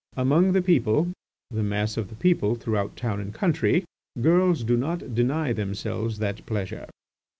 Among the people, the mass of the people through town and country, girls do not deny themselves that pleasure."